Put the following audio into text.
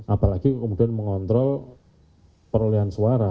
apalagi kemudian mengontrol perolehan suara